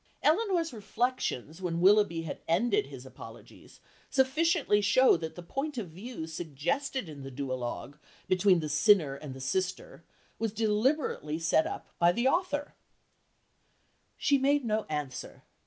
Elinor's reflections when Willoughby had ended his apologies sufficiently show that the point of view suggested in the duologue between the sinner and the sister was deliberately set up by the author "She made no answer.